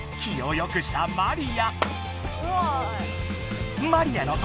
気をよくしたマリア。